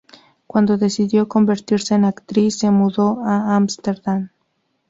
Cuando decidió convertirse en actriz, se mudó a Ámsterdam.